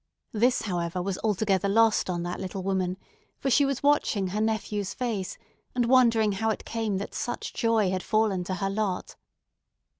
This, however, was altogether lost on that little woman, for she was watching her nephew's face, and wondering how it came that such joy had fallen to her lot.